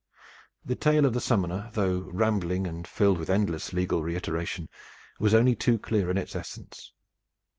The tale of the summoner, though rambling and filled with endless legal reiteration, was only too clear in its essence.